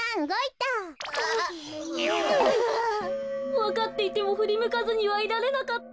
わかっていてもふりむかずにはいられなかった。